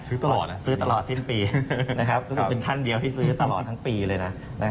ซื้อตลอดซื้อตลอดสิ้นปีรู้สึกเป็นท่านเดียวที่ซื้อตลอดทั้งปีเลยนะ